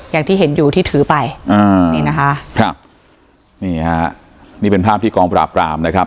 อย่างที่เห็นอยู่ที่ถือไปอ่านี่นะคะครับนี่ฮะนี่เป็นภาพที่กองปราบรามนะครับ